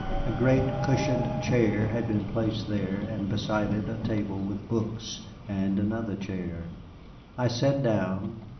A great cushioned chair had been placed there, and beside it a table with books, and another chair. I sat down.